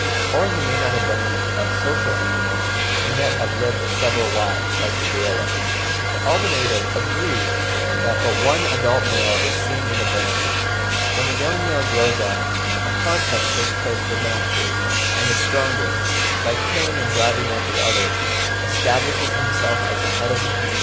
Or he may not have been a social animal, and yet have lived with several wives, like the gorilla; for all the natives "agree that but one adult male is seen in a band; when the young male grows up, a contest takes place for mastery, and the strongest, by killing and driving out the others, establishes himself as the head of the community."